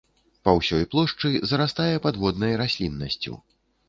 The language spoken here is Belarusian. Па ўсёй плошчы зарастае падводнай расліннасцю.